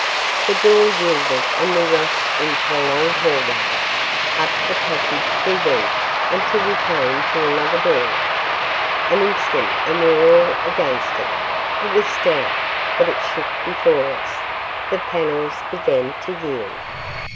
The door yielded and we rushed into a long hallway. Up the passage we went until we came to another door. An instant and we were all against it. It was stout, but it shook before us. The panels began to yield. ...